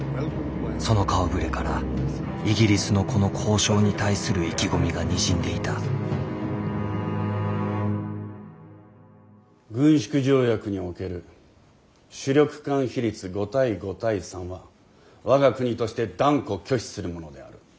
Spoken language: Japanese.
その顔ぶれからイギリスのこの交渉に対する意気込みがにじんでいた軍縮条約における主力艦比率５対５対３は我が国として断固拒否するものである。